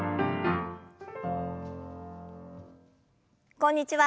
こんにちは。